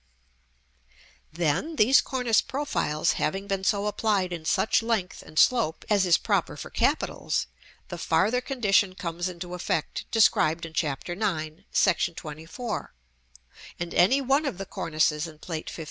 Then, these cornice profiles having been so applied in such length and slope as is proper for capitals, the farther condition comes into effect described in Chapter IX. § XXIV., and any one of the cornices in Plate XV.